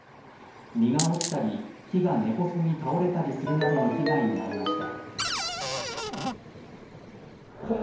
実が落ちたり木が根こそぎ倒れたりするなどの被害に遭いました。